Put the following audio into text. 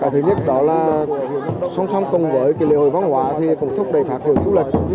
thứ nhất đó là song song cùng với lễ hội văn hóa thì cũng thúc đẩy phát triển du lịch